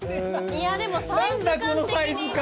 いやでもサイズ感的に。